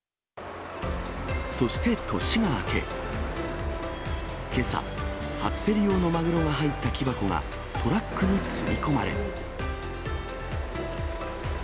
そして年が明け、けさ、初競り用のマグロが入った木箱がトラックに積み込まれ。